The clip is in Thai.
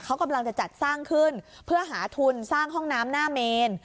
เขากำลังจะจัดสร้างขึ้นเพื่อหาทุนสร้างห้องน้ำหน้าเมน